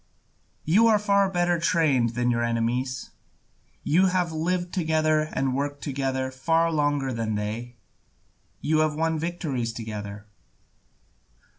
You are far better trained than your enemies, you have lived together and worked together far longer than they, you have won victories together.